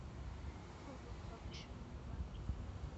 Oghoka w'ushunyi ghwake.